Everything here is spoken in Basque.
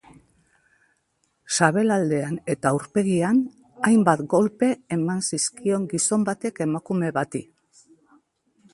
Sabelaldean eta aurpegian hainbat kolpe eman zizkion gizon batek emakume bati.